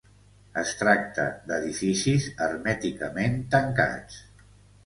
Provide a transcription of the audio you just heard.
Es tracta d'edificis hermèticament tancats.